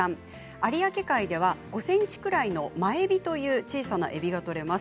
有明海では５ｃｍぐらいのマエビという小さなえびが取れます。